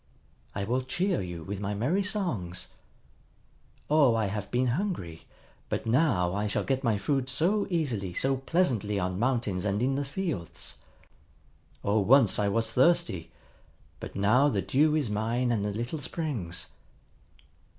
I will cheer you with my merry songs. Oh, I have been hungry; but now I shall get my food so easily, so pleasantly on mountains and in the fields. Oh, once I was thirsty; but now the dew is mine and the little springs.